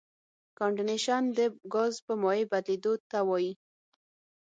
کنډېنسیشن د ګاز په مایع بدلیدو ته وایي.